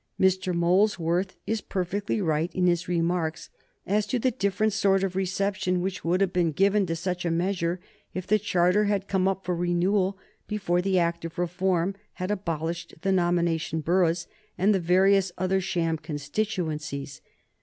Mr. Molesworth is perfectly right in his remarks as to the different sort of reception which would have been given to such a measure if the charter had come up for renewal before the Act of Reform had abolished the nomination boroughs and the various other sham constituencies.